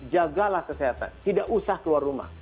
jagalah kesehatan tidak usah keluar rumah